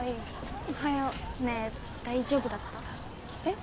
おはよう。ねえ大丈夫だった？え？